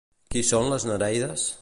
Qui són les nereides?